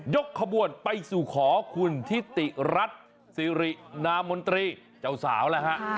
ขบวนไปสู่ขอคุณทิติรัฐสิรินามนตรีเจ้าสาวแล้วฮะ